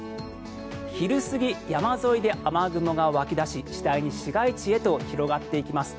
昼過ぎ、山沿いで雨雲が湧き出し次第に市街地へと広がっていきます。